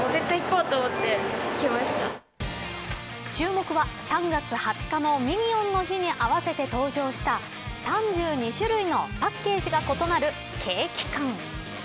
注目は、３月２０日のミニオンの日に合わせて登場した３２種類のパッケージが異なるケーキ缶。